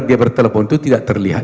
dia bertelepon itu tidak terlihat